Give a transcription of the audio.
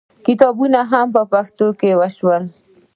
کتابونه هم په پښتو شول.